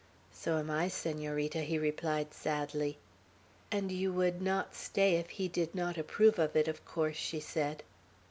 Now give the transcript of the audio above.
"So am I, Senorita," he replied sadly. "And you would not stay if he did not approve of it, of course," she said.